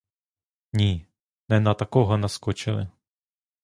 Ні, не на такого наскочили.